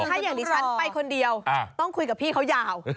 ถ้าอย่างดิฉันไปคนเดียวต้องคุยกับพี่เขายาว